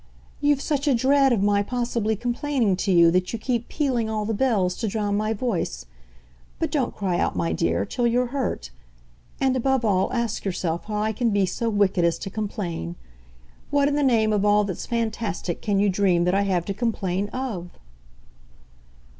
"You've such a dread of my possibly complaining to you that you keep pealing all the bells to drown my voice; but don't cry out, my dear, till you're hurt and above all ask yourself how I can be so wicked as to complain. What in the name of all that's fantastic can you dream that I have to complain OF?"